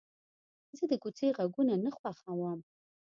زه د کوڅې غږونه نه خوښوم.